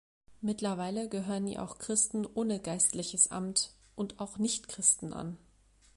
Mittlerweile gehören ihr auch Christen ohne geistliches Amt und auch Nichtchristen an.